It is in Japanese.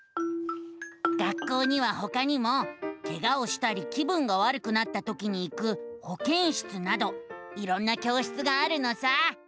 学校にはほかにもケガをしたり気分がわるくなったときに行くほけん室などいろんな教室があるのさ。